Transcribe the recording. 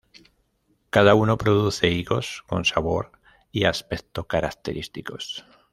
Cada una produce higos con sabor y aspecto característico.